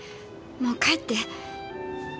もう帰って。